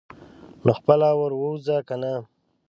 نو خپله ور ووځه کنه.